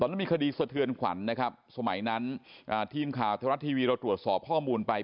นั้นมีคดีสะเทือนขวัญนะครับสมัยนั้นทีมข่าวธรรมรัฐทีวีเราตรวจสอบข้อมูลไป